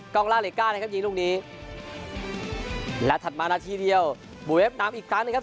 องล่าเหล็กก้านะครับยิงลูกนี้และถัดมานาทีเดียวบูเวฟนำอีกครั้งนะครับ